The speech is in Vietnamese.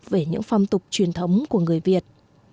về những phong tục truyền thống của người việt